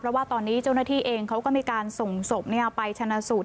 เพราะว่าตอนนี้เจ้าหน้าที่เองเขาก็มีการส่งศพไปชนะสูตร